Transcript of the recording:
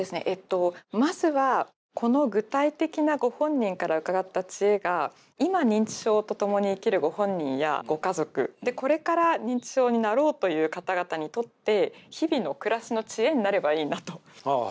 えっとまずはこの具体的なご本人から伺った知恵が今認知症とともに生きるご本人やご家族でこれから認知症になろうという方々にとって日々の暮らしの知恵になればいいなと。